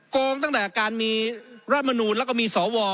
โกงตั้งแต่การมีรัฐมนูลแล้วก็มีสว